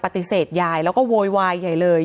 ปฏิเสธยายแล้วก็โวยวายใหญ่เลย